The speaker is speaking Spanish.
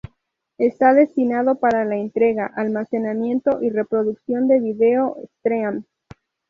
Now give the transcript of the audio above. Está destinado para la entrega, almacenamiento y reproducción de vídeo streams.